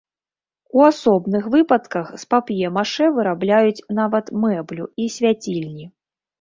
У асобных выпадках з пап'е-машэ вырабляюць нават мэблю і свяцільні.